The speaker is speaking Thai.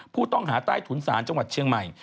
ผู้ต้องหาใต้ถุนศาลจังหวัดเชียงใหม่